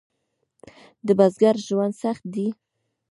د بزګر ژوند سخت دی؟